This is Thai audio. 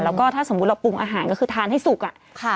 แล้วก็ถ้าสมมุติเราปรุงอาหารก็คือทานให้สุกอะ